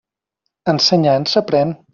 Ensenyant s'aprén.